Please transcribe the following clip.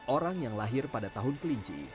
orang yang lahir pada tahun kelinci